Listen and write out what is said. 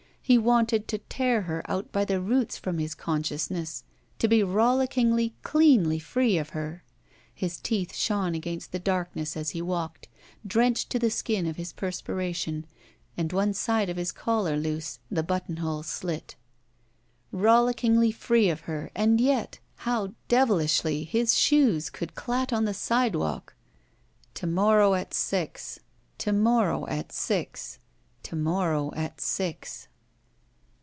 He wanted to tear her out by the roots from his consciousness. To be rolliddngly, cleanly free of her. His teeth shone against the darkness as he walked, drenched to the skin ci his perspira tion and one side of his collar loose, the buttonhole slit. Rolliddngly iree ctf her and yet how devilishly his shoes could dat on the sidewalk. To morrow at six. To monow at six. To morrow at six.